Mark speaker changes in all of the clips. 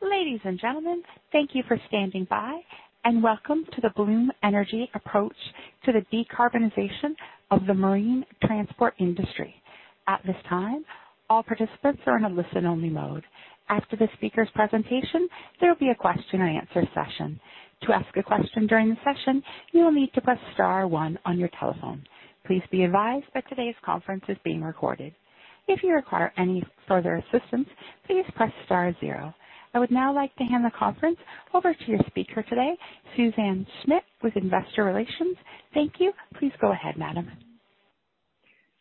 Speaker 1: Ladies and gentlemen, thank you for standing by, and welcome to the Bloom Energy approach to the decarbonization of the marine transport industry. At this time, all participants are in a listen-only mode. After the speaker's presentation, there will be a question-and-answer session. To ask a question during the session, you will need to press star 1 on your telephone. Please be advised that today's conference is being recorded. If you require any further assistance, please press star 0. I would now like to hand the conference over to your speaker today, Suzanne Schmidt with Investor Relations. Thank you. Please go ahead, Madam.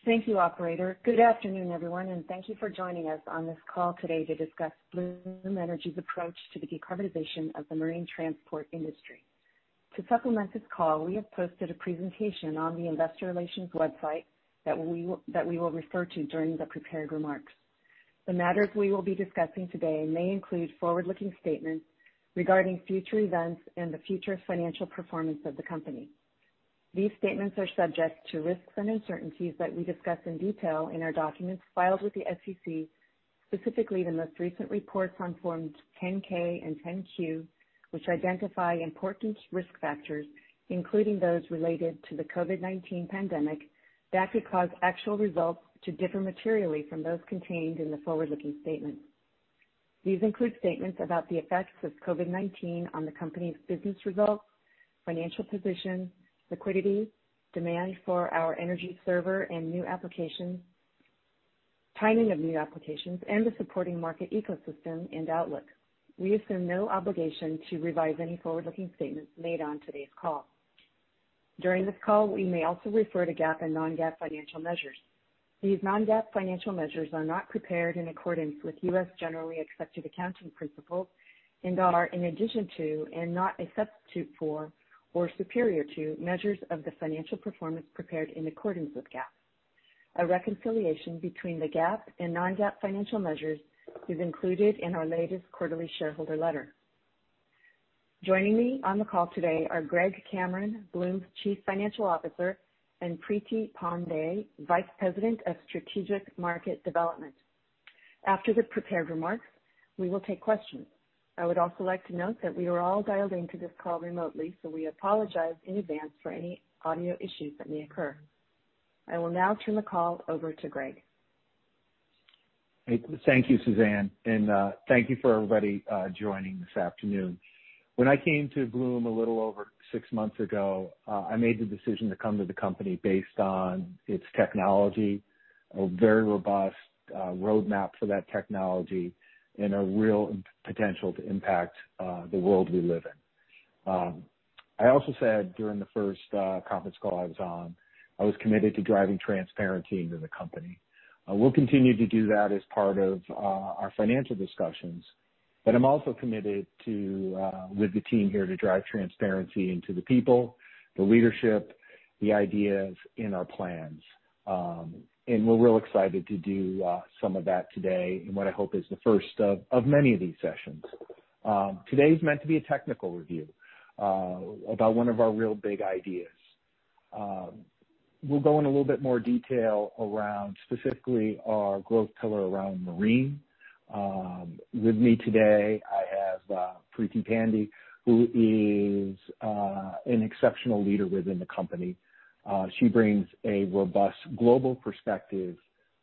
Speaker 2: Thank you, Operator. Good afternoon, everyone, and thank you for joining us on this call today to discuss Bloom Energy's approach to the decarbonization of the marine transport industry. To supplement this call, we have posted a presentation on the Investor Relations website that we will refer to during the prepared remarks. The matters we will be discussing today may include forward-looking statements regarding future events and the future financial performance of the company. These statements are subject to risks and uncertainties that we discuss in detail in our documents filed with the SEC, specifically the most recent reports on Forms 10-K and 10-Q, which identify important risk factors, including those related to the COVID-19 pandemic that could cause actual results to differ materially from those contained in the forward-looking statements. These include statements about the effects of COVID-19 on the company's business results, financial position, liquidity, demand for our energy server and new applications, timing of new applications, and the supporting market ecosystem and outlook. We assume no obligation to revise any forward-looking statements made on today's call. During this call, we may also refer to GAAP and non-GAAP financial measures. These non-GAAP financial measures are not prepared in accordance with U.S. generally accepted accounting principles and are, in addition to, and not a substitute for, or superior to, measures of the financial performance prepared in accordance with GAAP. A reconciliation between the GAAP and non-GAAP financial measures is included in our latest quarterly shareholder letter. Joining me on the call today are Greg Cameron, Bloom's Chief Financial Officer, and Preeti Pande, Vice President of Strategic Market Development. After the prepared remarks, we will take questions. I would also like to note that we are all dialed into this call remotely, so we apologize in advance for any audio issues that may occur. I will now turn the call over to Greg.
Speaker 3: Thank you, Suzanne, and thank you for everybody joining this afternoon. When I came to Bloom a little over six months ago, I made the decision to come to the company based on its technology, a very robust roadmap for that technology, and a real potential to impact the world we live in. I also said during the first conference call I was on, I was committed to driving transparency into the company. We'll continue to do that as part of our financial discussions, but I'm also committed with the team here to drive transparency into the people, the leadership, the ideas, and our plans, and we're really excited to do some of that today in what I hope is the first of many of these sessions. Today is meant to be a technical review about one of our real big ideas. We'll go in a little bit more detail around specifically our growth pillar around marine. With me today, I have Preeti Pande, who is an exceptional leader within the company. She brings a robust global perspective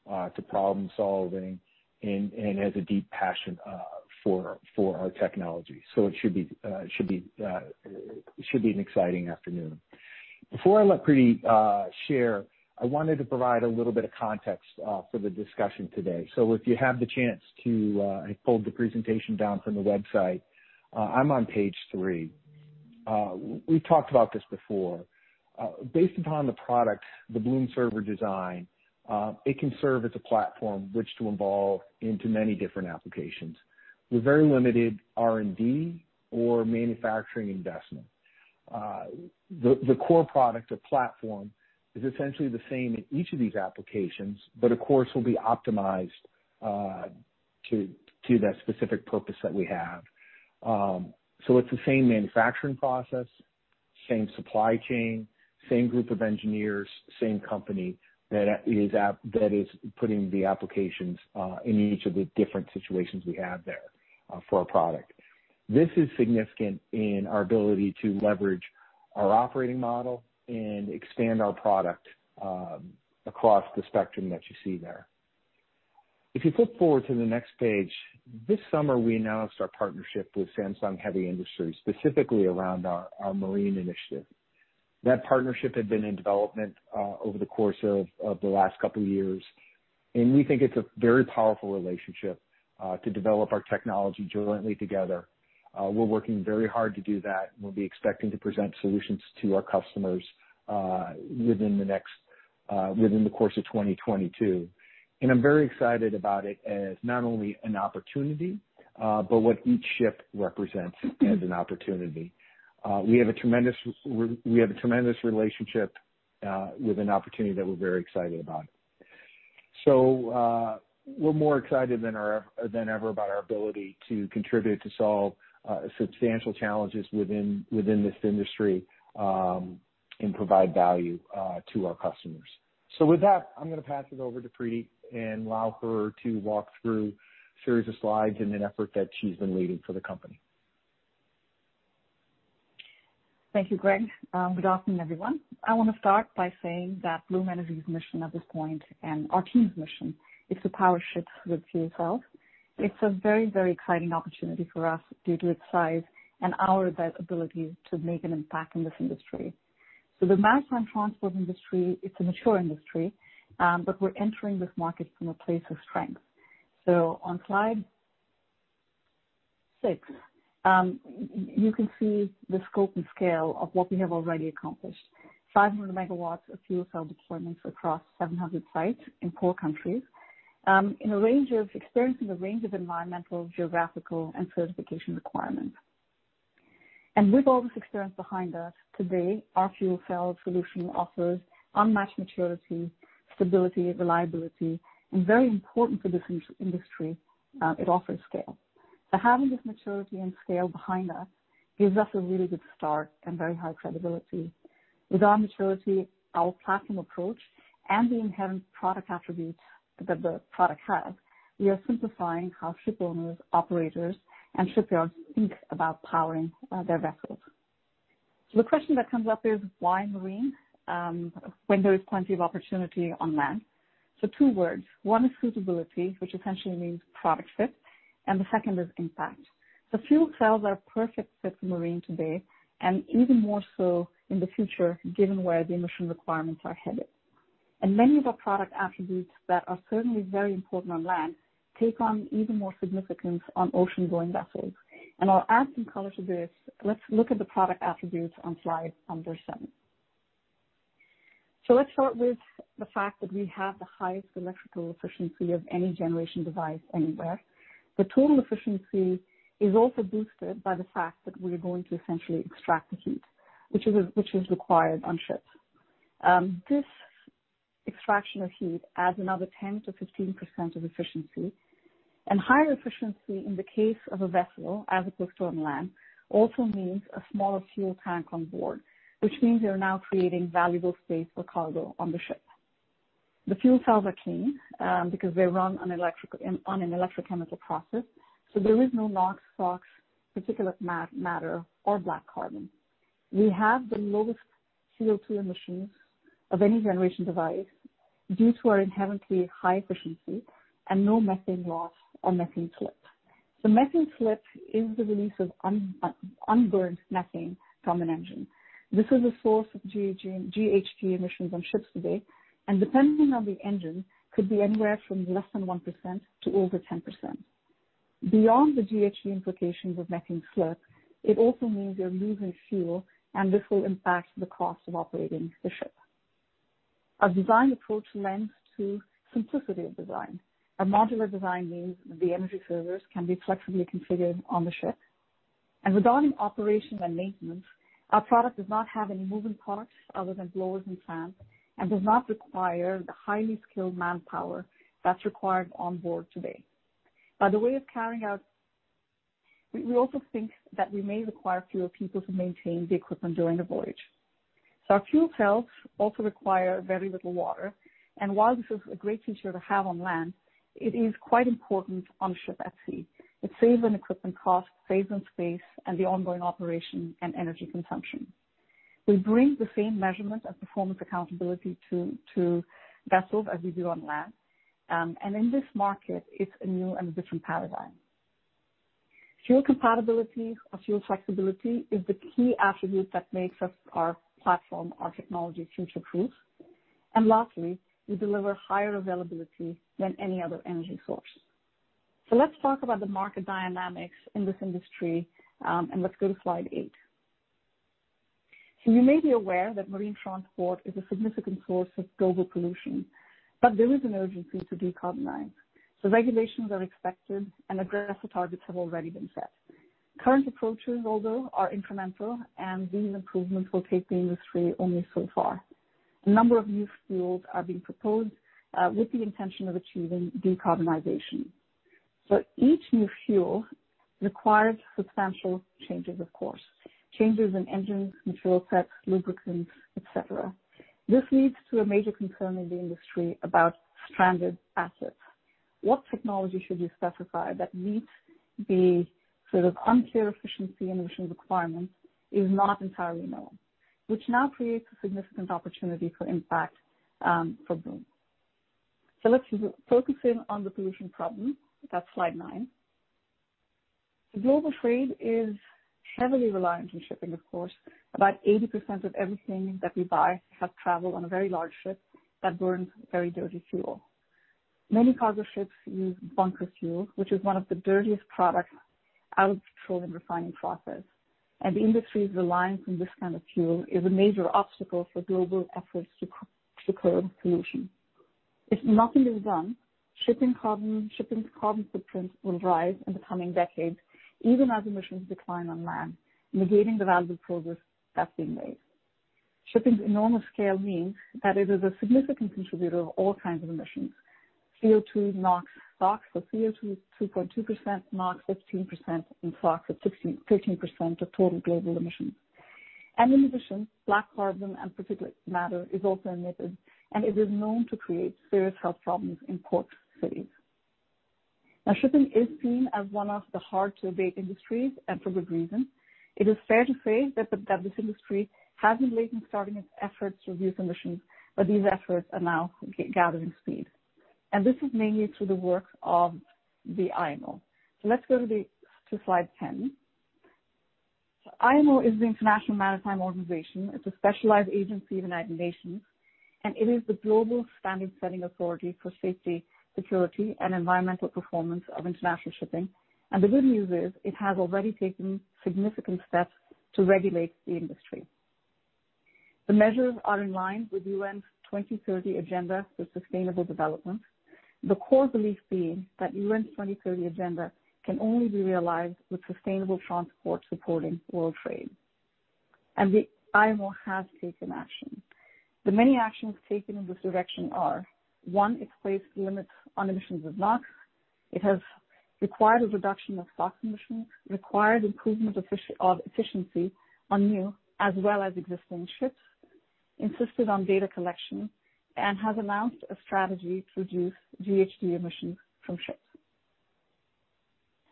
Speaker 3: to problem-solving and has a deep passion for our technology. It should be an exciting afternoon. Before I let Preeti share, I wanted to provide a little bit of context for the discussion today. If you have the chance to, I pulled the presentation down from the website. I'm on page three. We've talked about this before. Based upon the product, the Bloom server design, it can serve as a platform which to evolve into many different applications. We're very limited R&D or manufacturing investment. The core product, the platform, is essentially the same in each of these applications, but of course, will be optimized to that specific purpose that we have. So it's the same manufacturing process, same supply chain, same group of engineers, same company that is putting the applications in each of the different situations we have there for our product. This is significant in our ability to leverage our operating model and expand our product across the spectrum that you see there. If you flip forward to the next page, this summer we announced our partnership with Samsung Heavy Industries, specifically around our marine initiative. That partnership had been in development over the course of the last couple of years, and we think it's a very powerful relationship to develop our technology jointly together. We're working very hard to do that, and we'll be expecting to present solutions to our customers within the course of 2022. And I'm very excited about it as not only an opportunity, but what each ship represents as an opportunity. We have a tremendous relationship with an opportunity that we're very excited about. So we're more excited than ever about our ability to contribute to solve substantial challenges within this industry and provide value to our customers. So with that, I'm going to pass it over to Preeti and allow her to walk through a series of slides in an effort that she's been leading for the company.
Speaker 4: Thank you, Greg. Good afternoon, everyone. I want to start by saying that Bloom Energy's mission at this point, and our team's mission, is to power ships with fuel cells. It's a very, very exciting opportunity for us due to its size and our ability to make an impact in this industry, so the maritime transport industry, it's a mature industry, but we're entering this market from a place of strength, so on slide six, you can see the scope and scale of what we have already accomplished: 500 MW of fuel cell deployments across 700 sites in four countries, experiencing a range of environmental, geographical, and certification requirements, and with all this experience behind us, today, our fuel cell solution offers unmatched maturity, stability, reliability, and very important for this industry, it offers scale. So having this maturity and scale behind us gives us a really good start and very high credibility. With our maturity, our platform approach, and the inherent product attributes that the product has, we are simplifying how ship owners, operators, and shipyards think about powering their vessels. So the question that comes up is, why marine when there is plenty of opportunity on land? So two words. One is suitability, which essentially means product fit, and the second is impact. The fuel cells are a perfect fit for marine today, and even more so in the future, given where the emission requirements are headed. And many of our product attributes that are certainly very important on land take on even more significance on ocean-going vessels. And I'll add some color to this. Let's look at the product attributes on slide number seven. So let's start with the fact that we have the highest electrical efficiency of any generation device anywhere. The total efficiency is also boosted by the fact that we are going to essentially extract the heat, which is required on ships. This extraction of heat adds another 10%-15% of efficiency. And higher efficiency in the case of a vessel as opposed to on land also means a smaller fuel tank on board, which means they're now creating valuable space for cargo on the ship. The fuel cells are clean because they run on an electrochemical process. So there is no NOx, SOx, particulate matter, or black carbon. We have the lowest CO2 emissions of any generation device due to our inherently high efficiency and no methane loss or methane slip. So methane slip is the release of unburned methane from an engine. This is a source of GHG emissions on ships today, and depending on the engine, could be anywhere from less than 1% to over 10%. Beyond the GHG implications of methane slip, it also means you're losing fuel, and this will impact the cost of operating the ship. Our design approach lends to simplicity of design. A modular design means the energy servers can be flexibly configured on the ship. Regarding operation and maintenance, our product does not have any moving parts other than blowers and fans and does not require the highly skilled manpower that's required on board today. By way of carrying out, we also think that we may require fewer people to maintain the equipment during the voyage. Our fuel cells also require very little water. While this is a great feature to have on land, it is quite important on a ship at sea. It saves on equipment costs, saves on space, and the ongoing operation and energy consumption. We bring the same measurement of performance accountability to vessels as we do on land. In this market, it's a new and a different paradigm. Fuel compatibility or fuel flexibility is the key attribute that makes our platform, our technology, future-proof. Lastly, we deliver higher availability than any other energy source. Let's talk about the market dynamics in this industry, and let's go to slide eight. You may be aware that marine transport is a significant source of global pollution, but there is an urgency to decarbonize. Regulations are expected, and aggressive targets have already been set. Current approaches, although, are incremental, and these improvements will take the industry only so far. A number of new fuels are being proposed with the intention of achieving decarbonization. So each new fuel requires substantial changes, of course. Changes in engines, material sets, lubricants, etc. This leads to a major concern in the industry about stranded assets. What technology should you specify that meets the sort of unclear efficiency and emission requirements is not entirely known, which now creates a significant opportunity for impact for Bloom. So let's focus in on the pollution problem. That's slide nine. The global trade is heavily reliant on shipping, of course. About 80% of everything that we buy has traveled on a very large ship that burns very dirty fuel. Many cargo ships use bunker fuel, which is one of the dirtiest products out of the petroleum refining process. The industry's reliance on this kind of fuel is a major obstacle for global efforts to curb pollution. If nothing is done, shipping's carbon footprint will rise in the coming decades, even as emissions decline on land, negating the value of progress that's being made. Shipping's enormous scale means that it is a significant contributor of all kinds of emissions. CO2, NOx, SOx: CO2 2.2%, NOx 15%, and SOx 15% of total global emissions. In addition, black carbon and particulate matter is also emitted, and it is known to create serious health problems in port cities. Now, shipping is seen as one of the hard-to-abate industries, and for good reason. It is fair to say that this industry has been lately starting its efforts to reduce emissions, but these efforts are now gathering speed. This is mainly through the work of the IMO. Let's go to slide 10. IMO is the International Maritime Organization. It's a specialized agency of the United Nations, and it is the global standard-setting authority for safety, security, and environmental performance of international shipping. The good news is it has already taken significant steps to regulate the industry. The measures are in line with UN's 2030 Agenda for Sustainable Development, the core belief being that UN's 2030 Agenda can only be realized with sustainable transport supporting world trade. The IMO has taken action. The many actions taken in this direction are: one, it's placed limits on emissions of NOx. It has required a reduction of SOx emissions, required improvement of efficiency on new as well as existing ships, insisted on data collection, and has announced a strategy to reduce GHG emissions from ships.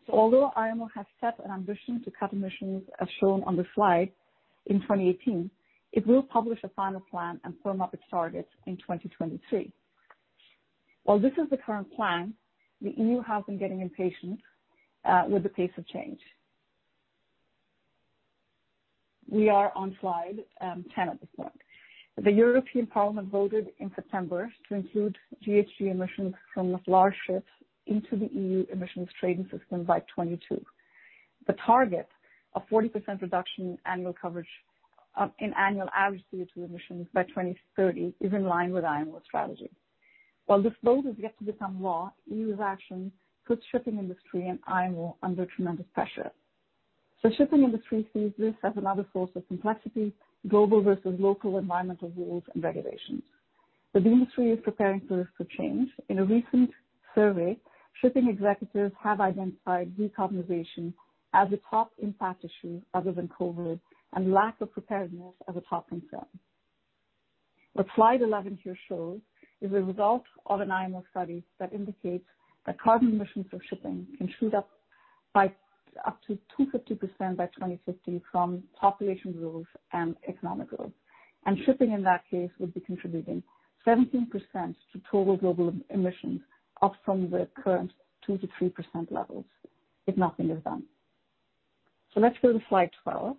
Speaker 4: Although IMO has set an ambition to cut emissions, as shown on the slide in 2018, it will publish a final plan and firm up its targets in 2023. While this is the current plan, the EU has been getting impatient with the pace of change. We are on slide 10 at this point. The European Parliament voted in September to include GHG emissions from large ships into the EU Emissions Trading System by 2022. The target of 40% reduction in annual average CO2 emissions by 2030 is in line with IMO's strategy. While this vote is yet to become law, EU's action puts shipping industry and IMO under tremendous pressure. Shipping industry sees this as another source of complexity, global versus local environmental rules and regulations. The industry is preparing for this to change. In a recent survey, shipping executives have identified decarbonization as a top impact issue other than COVID and lack of preparedness as a top concern. What slide 11 here shows is a result of an IMO study that indicates that carbon emissions from shipping can shoot up by up to 250% by 2050 from population growth and economic growth. And shipping, in that case, would be contributing 17% to total global emissions up from the current 2%-3% levels if nothing is done. So let's go to slide 12.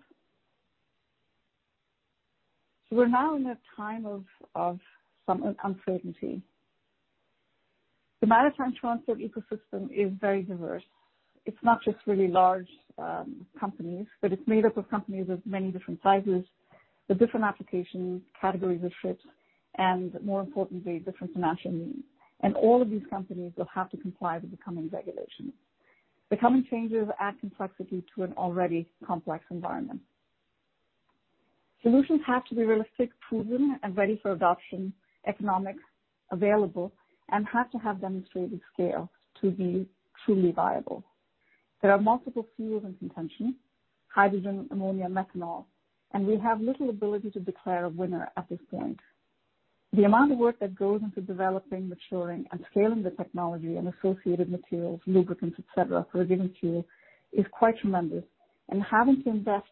Speaker 4: So we're now in a time of some uncertainty. The maritime transport ecosystem is very diverse. It's not just really large companies, but it's made up of companies of many different sizes, the different application categories of ships, and more importantly, different financial needs. And all of these companies will have to comply with the coming regulations. The coming changes add complexity to an already complex environment. Solutions have to be realistic, proven, and ready for adoption, economic, available, and have to have demonstrated scale to be truly viable. There are multiple fuels in contention: hydrogen, ammonia, methanol, and we have little ability to declare a winner at this point. The amount of work that goes into developing, maturing, and scaling the technology and associated materials, lubricants, etc., for a given fuel is quite tremendous. And having to invest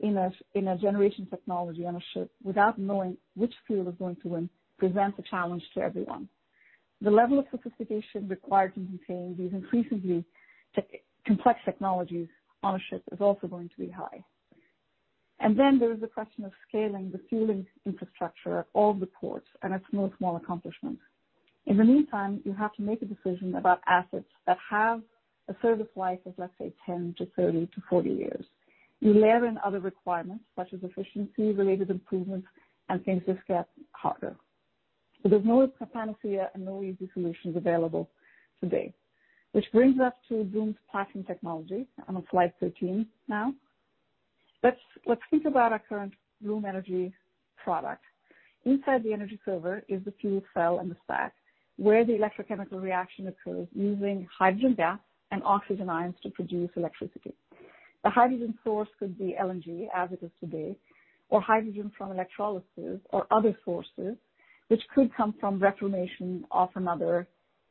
Speaker 4: in a generation technology on a ship without knowing which fuel is going to win presents a challenge to everyone. The level of sophistication required to maintain these increasingly complex technologies on a ship is also going to be high. And then there is the question of scaling the fueling infrastructure of all the ports, and it's no small accomplishment. In the meantime, you have to make a decision about assets that have a service life of, let's say, 10 to 30 to 40 years. You layer in other requirements, such as efficiency-related improvements, and things just get harder. So there's no panacea and no easy solutions available today. Which brings us to Bloom's platform technology. I'm on slide 13 now. Let's think about our current Bloom Energy product. Inside the Energy Server is the fuel cell and the stack, where the electrochemical reaction occurs using hydrogen gas and oxygen ions to produce electricity. The hydrogen source could be LNG, as it is today, or hydrogen from electrolysis or other sources, which could come from reformation of another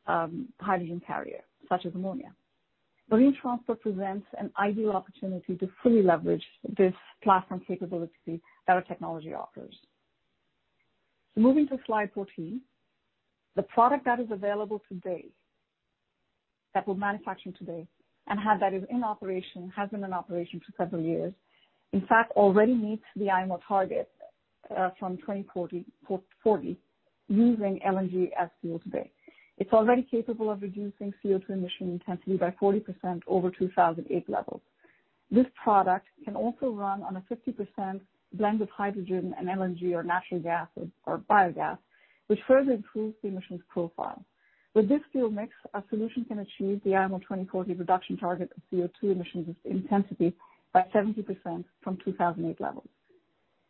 Speaker 4: hydrogen carrier, such as ammonia. Marine transport presents an ideal opportunity to fully leverage this platform capability that our technology offers. So moving to slide 14, the product that is available today, that we're manufacturing today and that is in operation, has been in operation for several years, in fact, already meets the IMO target from 2040 using LNG as fuel today. It's already capable of reducing CO2 emission intensity by 40% over 2008 levels. This product can also run on a 50% blend of hydrogen and LNG or natural gas or biogas, which further improves the emissions profile. With this fuel mix, a solution can achieve the IMO 2040 reduction target of CO2 emissions intensity by 70% from 2008 levels.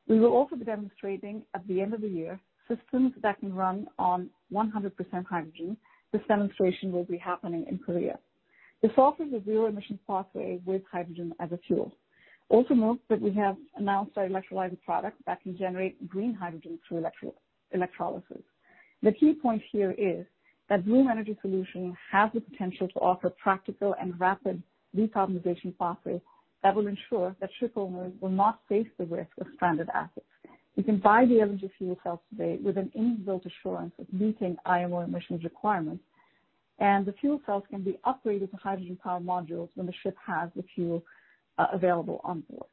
Speaker 4: We will also be demonstrating at the end of the year systems that can run on 100% hydrogen. This demonstration will be happening in Korea. This offers a zero-emission pathway with hydrogen as a fuel. Also note that we have announced our electrolyzer product that can generate green hydrogen through electrolysis. The key point here is that Bloom Energy Server has the potential to offer practical and rapid decarbonization pathways that will ensure that ship owners will not face the risk of stranded assets. You can buy the LNG fuel cells today with an inbuilt assurance of meeting IMO emissions requirements. And the fuel cells can be upgraded to hydrogen power modules when the ship has the fuel available on board.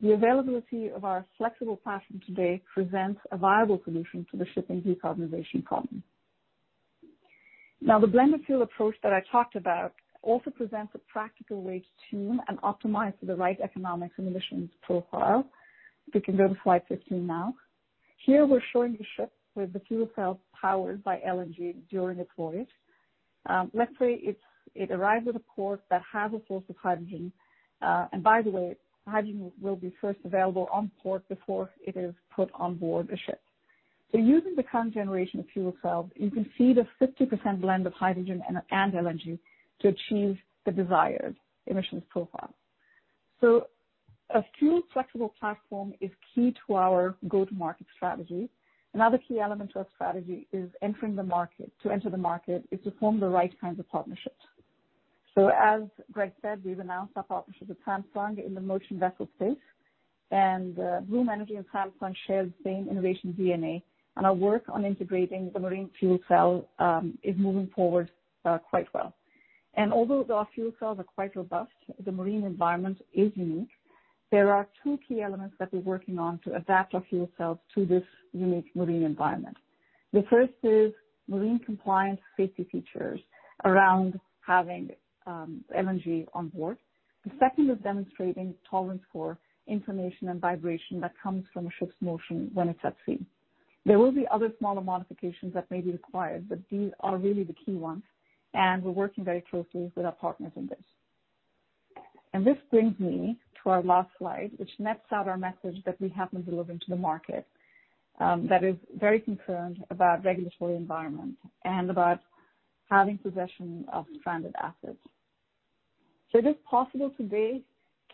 Speaker 4: The availability of our flexible platform today presents a viable solution to the shipping decarbonization problem. Now, the blended fuel approach that I talked about also presents a practical way to tune and optimize for the right economics and emissions profile. We can go to slide 15 now. Here we're showing the ship with the fuel cell powered by LNG during its voyage. Let's say it arrives at a port that has a source of hydrogen, and by the way, hydrogen will be first available on port before it is put on board a ship, so using the current generation of fuel cells, you can feed a 50% blend of hydrogen and LNG to achieve the desired emissions profile, so a fuel-flexible platform is key to our go-to-market strategy. Another key element to our strategy is entering the market. To enter the market is to form the right kinds of partnerships, so as Greg said, we've announced our partnership with Samsung in the merchant vessel space, and Bloom Energy and Samsung share the same innovation DNA, and our work on integrating the marine fuel cell is moving forward quite well, and although our fuel cells are quite robust, the marine environment is unique. There are two key elements that we're working on to adapt our fuel cells to this unique marine environment. The first is marine-compliant safety features around having LNG on board. The second is demonstrating tolerance for motion and vibration that comes from a ship's motion when it's at sea. There will be other smaller modifications that may be required, but these are really the key ones. We're working very closely with our partners on this. This brings me to our last slide, which nets out our message that we have been delivering to the market that is very concerned about regulatory environment and about having possession of stranded assets. It is possible today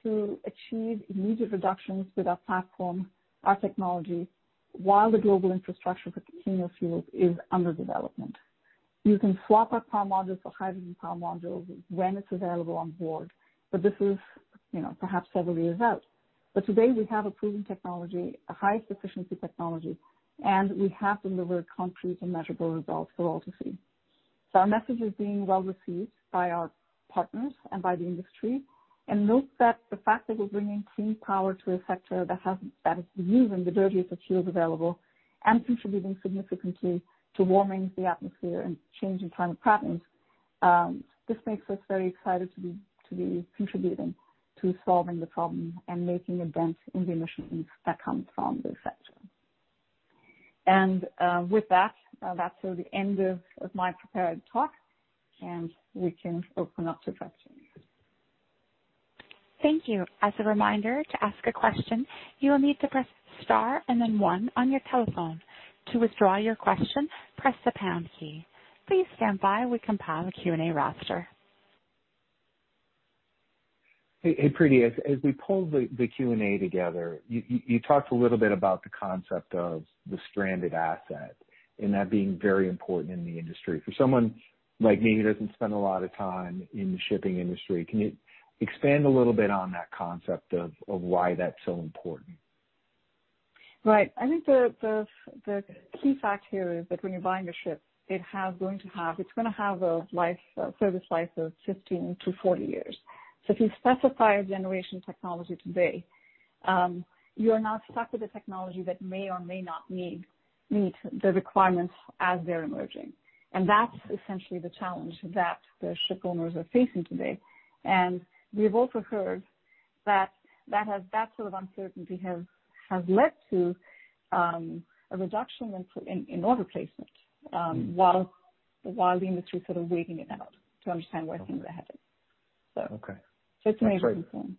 Speaker 4: to achieve immediate reductions with our platform, our technology, while the global infrastructure for sustainable fuel is under development. You can swap our power modules for hydrogen power modules when it's available on board, but this is perhaps several years out. But today we have a proven technology, a highest efficiency technology, and we have delivered concrete and measurable results for all to see. So our message is being well received by our partners and by the industry. And note that the fact that we're bringing clean power to a sector that is using the dirtiest of fuels available and contributing significantly to warming the atmosphere and changing climate patterns, this makes us very excited to be contributing to solving the problem and making a dent in the emissions that come from this sector. And with that, that's the end of my prepared talk, and we can open up to questions. Thank you.
Speaker 1: As a reminder to ask a question, you will need to press star and then 1 on your telephone. To withdraw your question, press the pound key. Please stand by while we compile the Q&A roster.
Speaker 3: Hey, Preeti, as we pulled the Q&A together, you talked a little bit about the concept of the stranded asset and that being very important in the industry. For someone like me who doesn't spend a lot of time in the shipping industry, can you expand a little bit on that concept of why that's so important?
Speaker 4: Right. I think the key factor here is that when you're buying a ship, it's going to have a service life of 15-40 years. So if you specify a generation technology today, you are now stuck with a technology that may or may not meet the requirements as they're emerging. That's essentially the challenge that the ship owners are facing today. And we've also heard that sort of uncertainty has led to a reduction in order placement while the industry is sort of waiting it out to understand where things are headed.
Speaker 3: So it's an interesting point.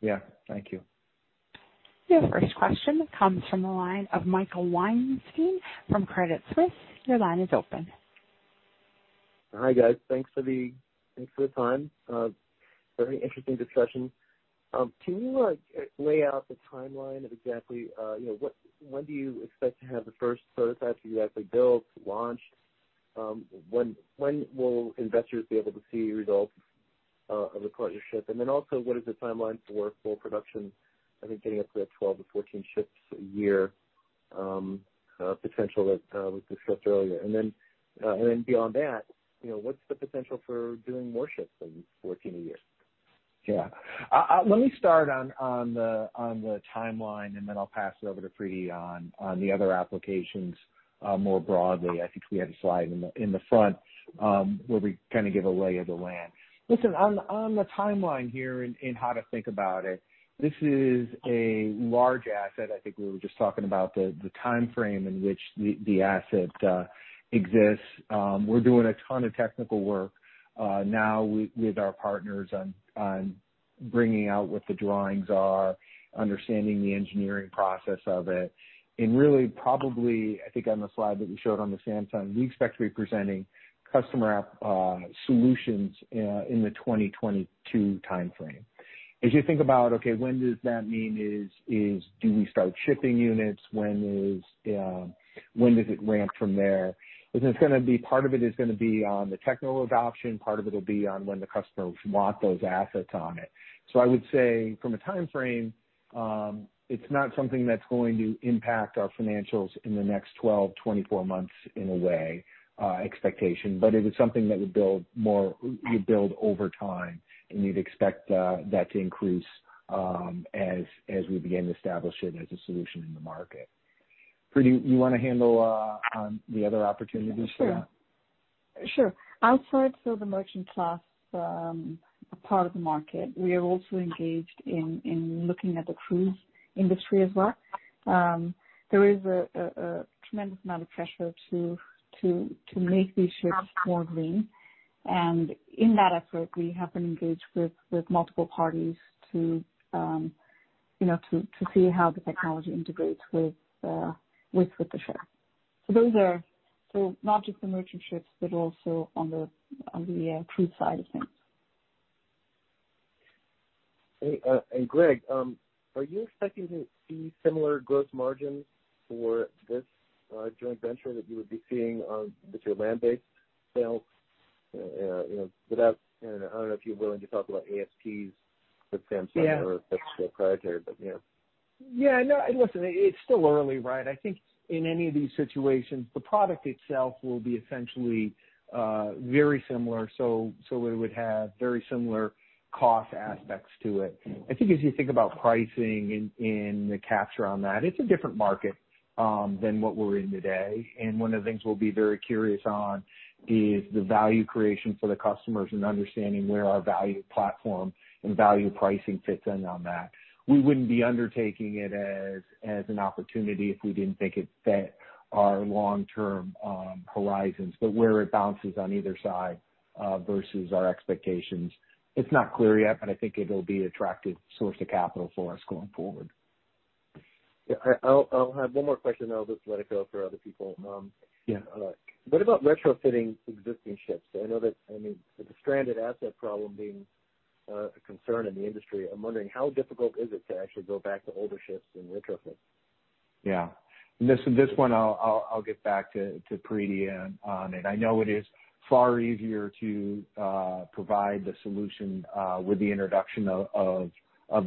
Speaker 3: Yeah. Thank you.
Speaker 1: Your first question comes from the line of Michael Weinstein from Credit Suisse. Your line is open. Hi, guys. Thanks for the time. Very interesting discussion. Can you lay out the timeline of exactly when do you expect to have the first prototypes exactly built, launched? When will investors be able to see results of the partnership? And then also, what is the timeline for full production, I think getting up to 12-14 ships a year potential that was discussed earlier? And then beyond that, what's the potential for doing more ships than 14 a year?
Speaker 3: Yeah. Let me start on the timeline, and then I'll pass it over to Preeti on the other applications more broadly. I think we had a slide in the front where we kind of give a lay of the land. Listen, on the timeline here and how to think about it, this is a large asset. I think we were just talking about the timeframe in which the asset exists. We're doing a ton of technical work now with our partners on bringing out what the drawings are, understanding the engineering process of it. And really, probably, I think on the slide that you showed on the Samsung, we expect to be presenting customer solutions in the 2022 timeframe. As you think about, okay, when does that mean is do we start shipping units? When does it ramp from there? It's going to be part of it is going to be on the technical adoption. Part of it will be on when the customers want those assets on it. So I would say from a timeframe, it's not something that's going to impact our financials in the next 12-24 months in a way expectation, but it is something that you build over time, and you'd expect that to increase as we begin to establish it as a solution in the market. Preeti, you want to handle the other opportunities for that?
Speaker 4: Sure. Outside of the merchant class, a part of the market, we are also engaged in looking at the cruise industry as well. There is a tremendous amount of pressure to make these ships more green. And in that effort, we have been engaged with multiple parties to see how the technology integrates with the ship. So those are not just the merchant ships, but also on the cruise side of things.
Speaker 5: And Greg, are you expecting to see similar gross margins for this joint venture that you would be seeing with your land-based sales? And I don't know if you're willing to talk about ASPs with Samsung or if that's still proprietary, but yeah.
Speaker 3: Yeah. No, listen, it's still early, right? I think in any of these situations, the product itself will be essentially very similar. So it would have very similar cost aspects to it. I think as you think about pricing and the capture on that, it's a different market than what we're in today. And one of the things we'll be very curious on is the value creation for the customers and understanding where our value platform and value pricing fits in on that. We wouldn't be undertaking it as an opportunity if we didn't think it fit our long-term horizons, but where it bounces on either side versus our expectations. It's not clear yet, but I think it'll be an attractive source of capital for us going forward.
Speaker 5: I'll have one more question, and I'll just let it go for other people. What about retrofitting existing ships? I mean, with the stranded asset problem being a concern in the industry, I'm wondering how difficult is it to actually go back to older ships and retrofit?
Speaker 3: Yeah. And this one, I'll get back to Preeti on it. I know it is far easier to provide the solution with the introduction of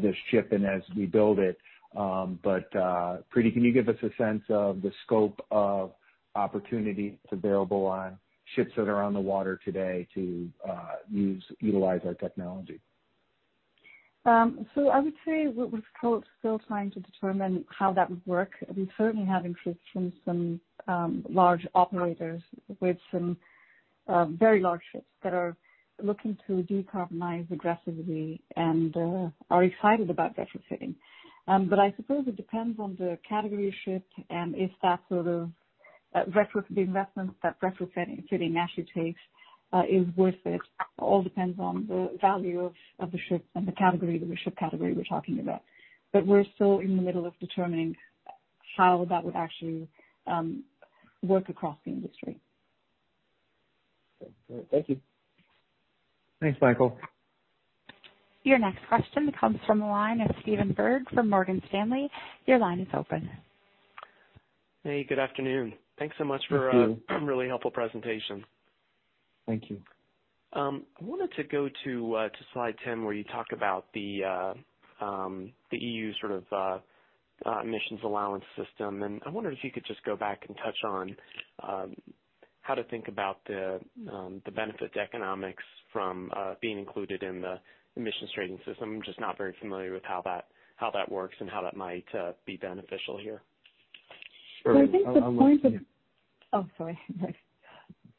Speaker 3: this ship and as we build it. But Preeti, can you give us a sense of the scope of opportunity that's available on ships that are on the water today to utilize our technology?
Speaker 4: So I would say we're still trying to determine how that would work. We certainly have interest from some large operators with some very large ships that are looking to decarbonize aggressively and are excited about retrofitting. But I suppose it depends on the category of ship and if that sort of retrofitting investment that retrofitting actually takes is worth it. All depends on the value of the ship and the category of the ship category we're talking about. But we're still in the middle of determining how that would actually work across the industry.
Speaker 5: Thank you.
Speaker 3: Thanks, Michael.
Speaker 1: Your next question comes from the line of Stephen Byrd from Morgan Stanley. Your line is open. Hey, good afternoon.
Speaker 6: Thanks so much for some really helpful presentation. Thank you. I wanted to go to slide 10 where you talk about the EU sort of emissions allowance system. And I wondered if you could just go back and touch on how to think about the benefit economics from being included in the emissions trading system. I'm just not very familiar with how that works and how that might be beneficial here.
Speaker 4: I think the point of, oh, sorry.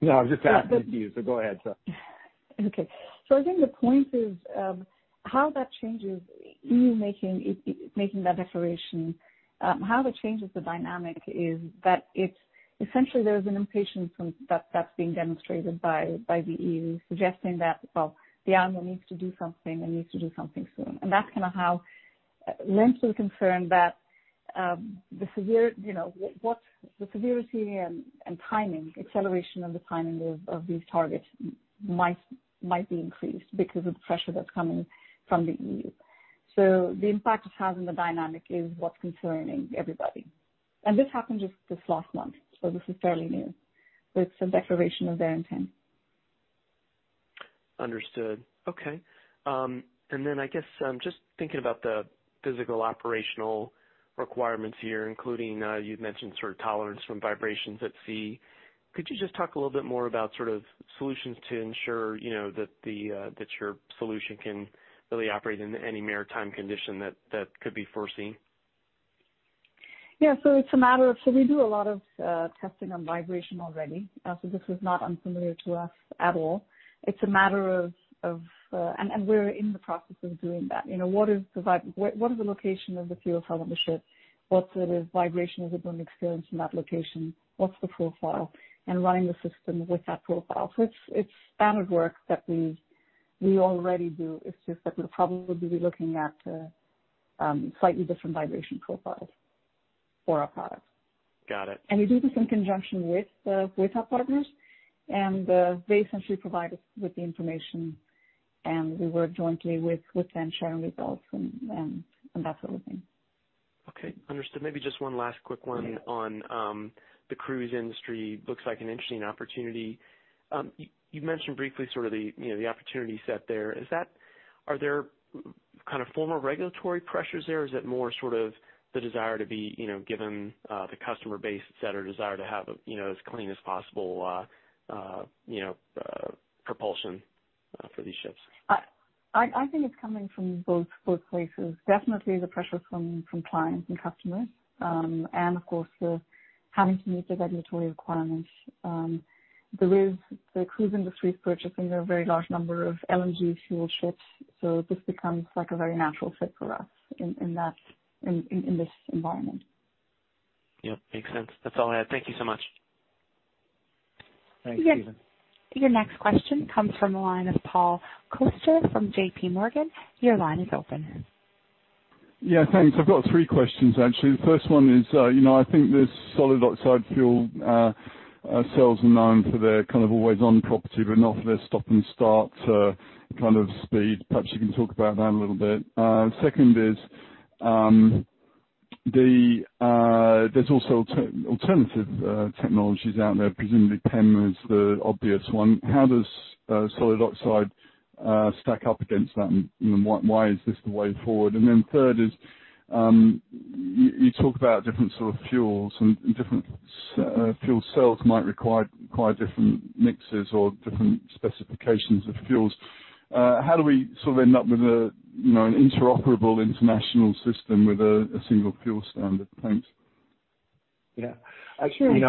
Speaker 3: No, I was just asking you, so go ahead, sir.
Speaker 4: Okay. So I think the point is how that changes the EU making that declaration, how it changes the dynamic is that essentially there is an impatience that's being demonstrated by the EU, suggesting that, well, the IMO needs to do something and needs to do something soon. That's kind of how that lent to the concern that the severity and timing acceleration of the timing of these targets might be increased because of the pressure that's coming from the EU. The impact it has on the dynamic is what's concerning everybody. This happened just this last month, so this is fairly new. It's a declaration of their intent.
Speaker 6: Understood. Okay. Then I guess just thinking about the physical operational requirements here, including you've mentioned sort of tolerance to vibrations at sea. Could you just talk a little bit more about sort of solutions to ensure that your solution can really operate in any maritime condition that could be foreseen?
Speaker 4: Yeah. It's a matter of, so we do a lot of testing on vibration already. This is not unfamiliar to us at all. It's a matter of, and we're in the process of doing that. What is the location of the fuel cell on the ship? What sort of vibration is it going to experience in that location? What's the profile? And running the system with that profile. So it's standard work that we already do. It's just that we'll probably be looking at slightly different vibration profiles for our product. And we do this in conjunction with our partners. And they essentially provide us with the information, and we work jointly with them sharing results and that sort of thing.
Speaker 6: Okay. Understood. Maybe just one last quick one on the cruise industry. Looks like an interesting opportunity. You mentioned briefly sort of the opportunity set there. Are there kind of formal regulatory pressures there? Is it more sort of the desire to be green to the customer base or desire to have as clean as possible propulsion for these ships?
Speaker 4: I think it's coming from both places. Definitely the pressures from clients and customers. And of course, having to meet the regulatory requirements. The cruise industry is purchasing a very large number of LNG fuel ships, so this becomes a very natural fit for us in this environment.
Speaker 6: Yep. Makes sense. That's all I had. Thank you so much.
Speaker 3: Thanks, Stephen.
Speaker 1: Your next question comes from the line of Paul Costel from JPMorgan. Your line is open. Yeah.
Speaker 7: Thanks. I've got three questions, actually. The first one is I think this solid oxide fuel cells are known for their kind of always-on property, but not for their stop-and-start kind of speed. Perhaps you can talk about that a little bit. Second is there's also alternative technologies out there. Presumably, PEM is the obvious one. How does solid oxide stack up against that? And why is this the way forward? And then third is you talk about different sort of fuels, and different fuel cells might require different mixes or different specifications of fuels. How do we sort of end up with an interoperable international system with a single fuel standard? Thanks.
Speaker 3: Yeah. Actually,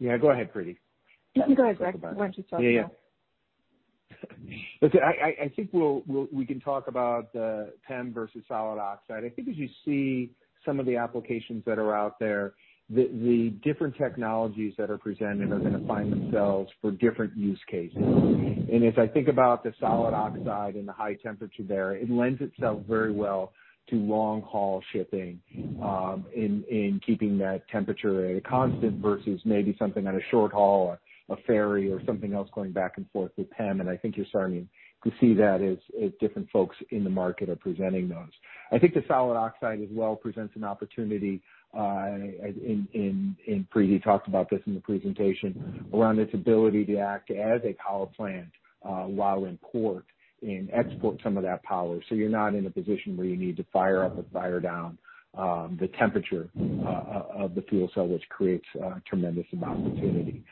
Speaker 3: yeah, go ahead, Preeti.
Speaker 4: Let me go ahead, Greg. Why don't you start? Yeah, yeah.
Speaker 3: I think we can talk about PEM versus solid oxide. I think as you see some of the applications that are out there, the different technologies that are presented are going to find themselves for different use cases. And as I think about the solid oxide and the high temperature there, it lends itself very well to long-haul shipping in keeping that temperature constant versus maybe something on a short haul, a ferry, or something else going back and forth with PEM. And I think you're starting to see that as different folks in the market are presenting those. I think the solid oxide as well presents an opportunity. And Preeti talked about this in the presentation around its ability to act as a power plant while in port and export some of that power. So you're not in a position where you need to fire up or fire down the temperature of the fuel cell, which creates tremendous opportunity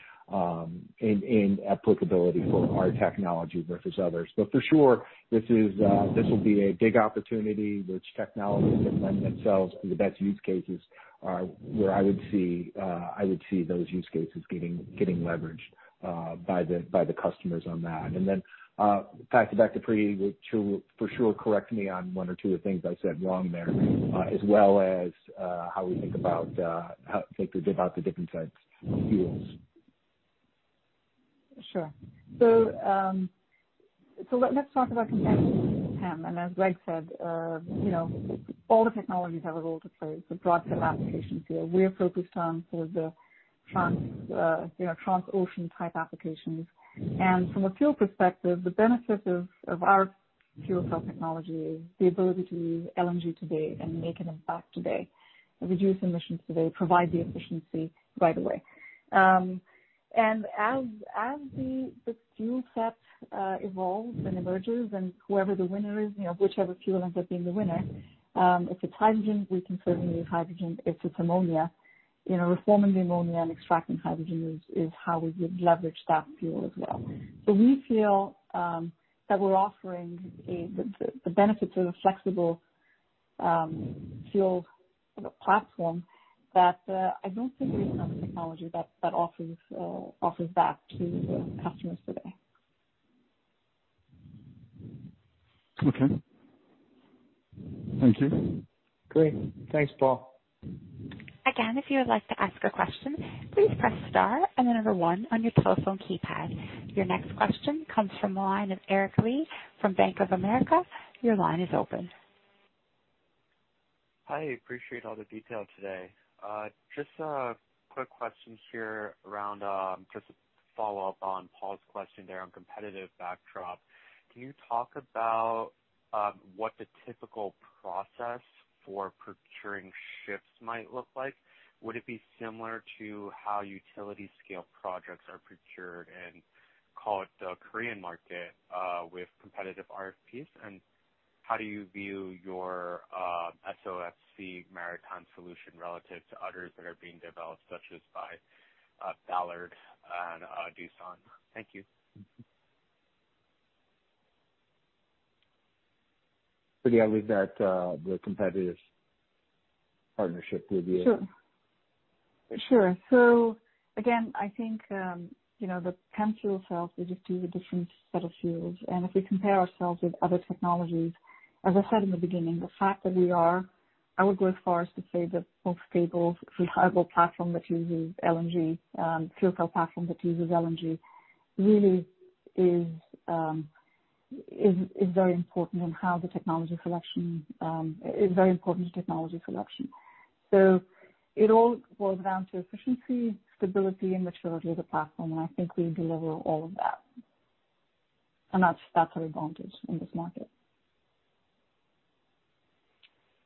Speaker 3: and applicability for our technology versus others. But for sure, this will be a big opportunity which technology can lend itself to the best use cases where I would see those use cases getting leveraged by the customers on that. And then back to Preeti, which will for sure correct me on one or two of the things I said wrong there, as well as how we think about the different types of fuels.
Speaker 4: Sure. So let's talk about comparison with PEM. And as Greg said, all the technologies have a role to play. It's a broad set of applications here. We are focused on sort of the trans-ocean type applications. And from a fuel perspective, the benefit of our fuel cell technology is the ability to use LNG today and make an impact today, reduce emissions today, provide the efficiency right away. And as the fuel set evolves and emerges, and whoever the winner is, whichever fuel ends up being the winner, if it's hydrogen, we can certainly use hydrogen. If it's ammonia, reforming the ammonia and extracting hydrogen is how we would leverage that fuel as well. So we feel that we're offering the benefits of a flexible fuel platform that I don't think we have enough technology that offers that to the customers today.
Speaker 7: Okay. Thank you.
Speaker 3: Great. Thanks, Paul.
Speaker 1: Again, if you would like to ask a question, please press star and the number one on your telephone keypad. Your next question comes from the line of Eric Lee from Bank of America. Your line is open.
Speaker 8: Hi. Appreciate all the detail today. Just a quick question here around just a follow-up on Paul's question there on competitive backdrop. Can you talk about what the typical process for procuring ships might look like? Would it be similar to how utility-scale projects are procured in, call it the Korean market, with competitive RFPs? And how do you view your SOFC maritime solution relative to others that are being developed, such as by Ballard and Doosan? Thank you. So yeah.
Speaker 4: Sure. Sure. So again, I think the PEM fuel cells will just be a different set of fuels. And if we compare ourselves with other technologies, as I said in the beginning, the fact that we are—I would go as far as to say the most stable, reliable platform that uses LNG, really is very important in how the technology selection is very important to technology selection. So it all boils down to efficiency, stability, and maturity of the platform. And I think we deliver all of that. And that's our advantage in this market.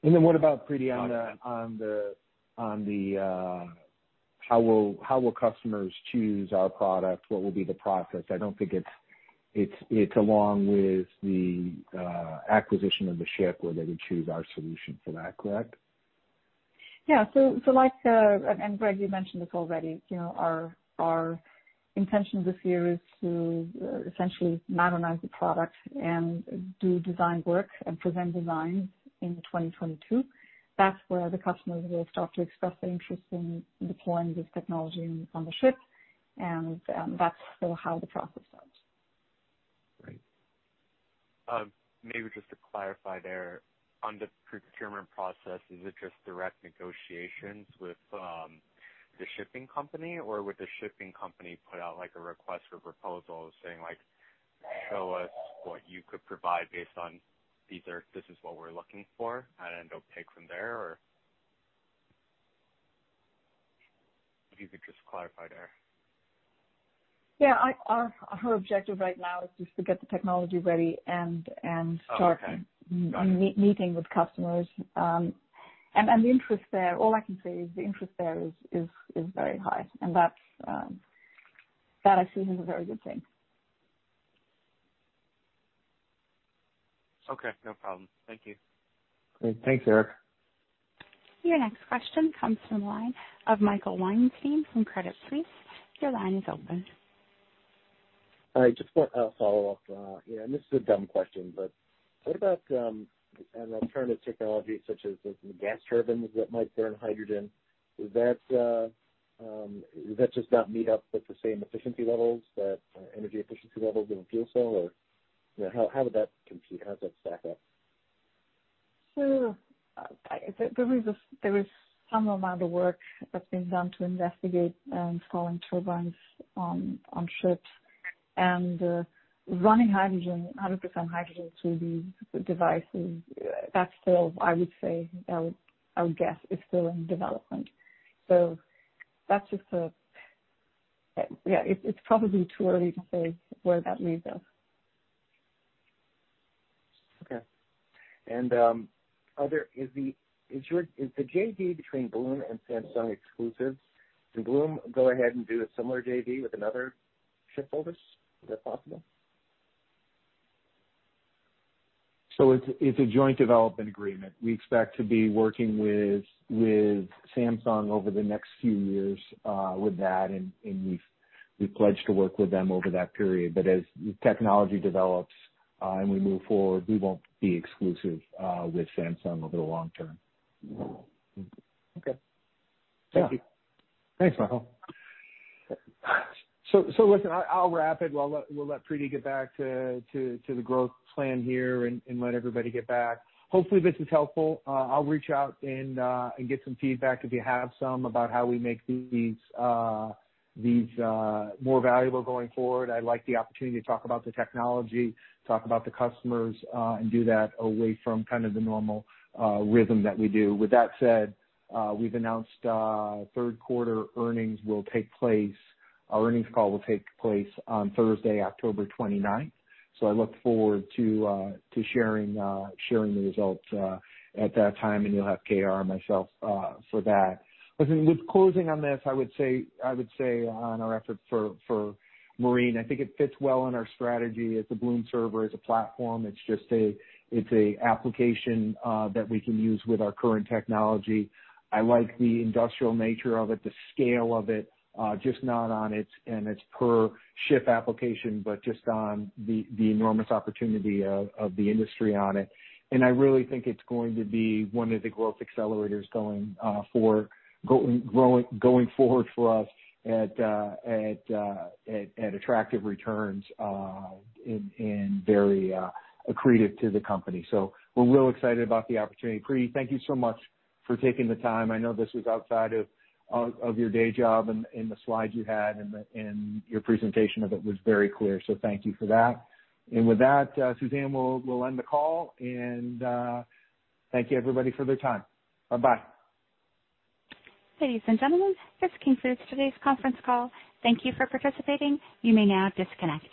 Speaker 3: And then what about, Preeti, on how will customers choose our product? What will be the process? I don't think it's along with the acquisition of the ship where they would choose our solution for that, correct?
Speaker 4: Yeah. And Greg, you mentioned this already. Our intention this year is to essentially modernize the product and do design work and present designs in 2022. That's where the customers will start to express their interest in deploying this technology on the ship. And that's how the process starts.
Speaker 8: Great. Maybe just to clarify there, on the procurement process, is it just direct negotiations with the shipping company, or would the shipping company put out a request for proposals saying, "Show us what you could provide based on this is what we're looking for," and then they'll pick from there? Or if you could just clarify there.
Speaker 4: Yeah. Our whole objective right now is just to get the technology ready and start meeting with customers. And the interest there, all I can say is the interest there is very high. And that, I see, is a very good thing.
Speaker 8: Okay. No problem. Thank you.
Speaker 3: Great. Thanks, Eric.
Speaker 1: Your next question comes from the line of Michael Weinstein from Credit Suisse. Your line is open.
Speaker 5: All right. Just a follow-up. And this is a dumb question, but what about alternative technologies such as the gas turbines that might burn hydrogen? Does that just not meet up with the same efficiency levels, the energy efficiency levels of a fuel cell? Or how would that compete? How does that stack up?
Speaker 4: So there is some amount of work that's been done to investigate installing turbines on ships and running hydrogen, 100% hydrogen through these devices. That's still, I would say, I would guess, is still in development. So that's just, it's probably too early to say where that leads us.
Speaker 5: Okay. And is the JV between Bloom and Samsung exclusive? Can Bloom go ahead and do a similar JV with another shipbuilder? Is that possible?
Speaker 3: So it's a joint development agreement. We expect to be working with Samsung over the next few years with that. And we've pledged to work with them over that period. But as the technology develops and we move forward, we won't be exclusive with Samsung over the long term.
Speaker 5: Okay. Thank you.
Speaker 3: Thanks, Michael. So listen, I'll wrap it. We'll let Preeti get back to the growth plan here and let everybody get back. Hopefully, this is helpful. I'll reach out and get some feedback, if you have some, about how we make these more valuable going forward. I'd like the opportunity to talk about the technology, talk about the customers, and do that away from kind of the normal rhythm that we do. With that said, we've announced third-quarter earnings will take place. Our earnings call will take place on Thursday, October 29th. So I look forward to sharing the results at that time. And you'll have KR and myself for that. Listen, with closing on this, I would say on our effort for Marine, I think it fits well in our strategy as a Bloom server, as a platform. It's a application that we can use with our current technology. I like the industrial nature of it, the scale of it, just not on its per-ship application, but just on the enormous opportunity of the industry on it. I really think it's going to be one of the growth accelerators going forward for us at attractive returns and very accretive to the company. So we're real excited about the opportunity. Preeti, thank you so much for taking the time. I know this was outside of your day job. The slides you had and your presentation of it was very clear. So thank you for that. With that, Suzanne, we'll end the call. Thank you, everybody, for their time. Bye-bye.
Speaker 1: Ladies and gentlemen, this concludes today's conference call. Thank you for participating. You may now disconnect.